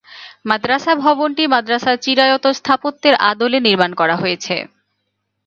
মাদ্রাসা ভবনটি মাদ্রাসার চিরায়ত স্থাপত্যের আদলে নির্মাণ করা হয়েছে।